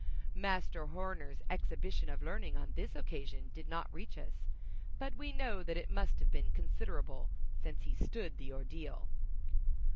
Master Homer's exhibition of learning on this occasion did not reach us, but we know that it must have been considerable, since he stood the ordeal.